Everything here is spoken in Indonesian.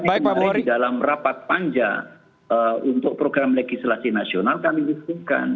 kemudian di dalam rapat panja untuk program legislasi nasional kami usulkan